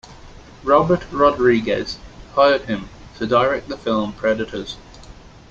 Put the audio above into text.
Robert Rodriguez hired him to direct the film "Predators".